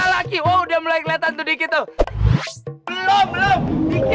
alah lagi wah udah mulai keliatan tuh dikit tuh